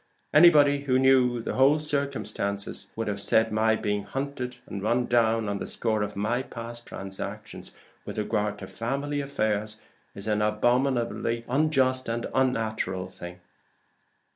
Anybody who knew the whole circumstances would say that my being hunted and run down on the score of my past transactions with regard to the family affairs, is an abominably unjust and unnatural thing."